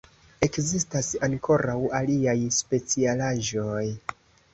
Ekzistas ankoraŭ aliaj specialaĵoj.